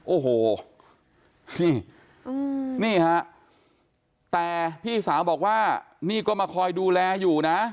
โอ้โหนี่นี่ฮะแต่พี่สาวบอกว่านี่ก็มาคอยดูแลอยู่นะ